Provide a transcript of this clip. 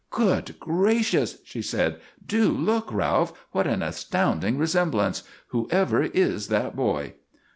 "Good gracious!" she said, "do look Ralph! What an astounding resemblance! Whoever is that boy?"